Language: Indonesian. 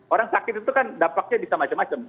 orang sakit itu kan dampaknya bisa macam macam